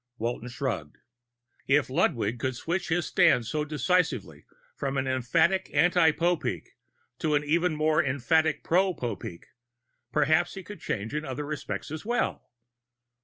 Walton shrugged. If Ludwig could switch his stand so decisively from an emphatic anti Popeek to an even more emphatic pro Popeek, perhaps he could change in other respects as well.